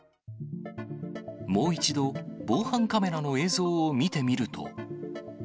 もう一度、防犯カメラの映像を見てみると。